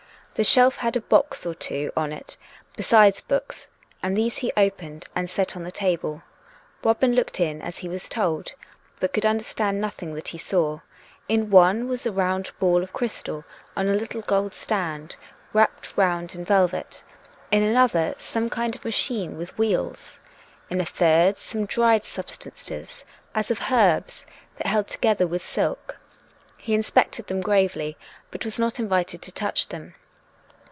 The shelf had a box or two on it, besides books, and these he opened and set on the table. Robin looked in, as he was told, but could under stand nothing that he saw: in one was a round ball of crystal on a little gold stand, wrapped round in velvet; in another some kind of a machine with wheels; in a third, some dried substances, as of herbs, tied together with silk. 378 COME RACK! COME ROPE! He inspected them gravely, but was not invited to toucK them.